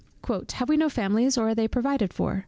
"Have we no families, or are they provided for?